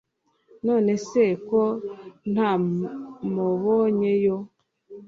none se ko ntamobonye yo